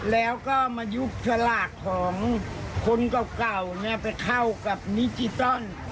แล้วก็มายุบสลากของคนเก่าไปเข้ากับดิจิตอล